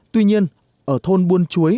tuy nhiên ở thôn buôn chuối